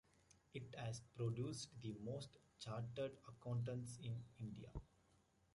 It has produced the most chartered accountants in India.